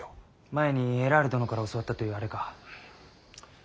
前にエラール殿から教わったというあれか。